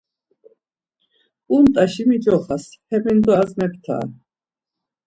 Unt̆aşi micoxas, hemindos meptare.